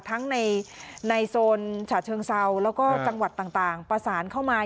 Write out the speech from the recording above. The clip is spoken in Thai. ทั้งในโซนฉะเชิงเซาแล้วก็จังหวัดต่างประสานเข้ามา